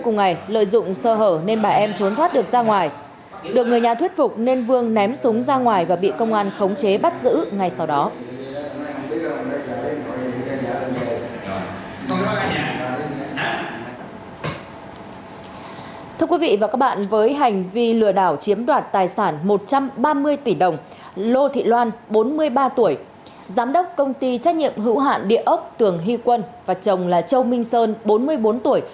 giám đốc công ty trách nhiệm hữu hạn địa ốc tường hy quân và chồng là châu minh sơn bốn mươi bốn tuổi